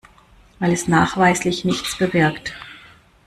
Weil es nachweislich nichts bewirkt.